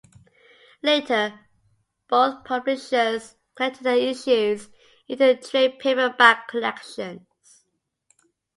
Later, both publishers collected their issues into trade paperback collections.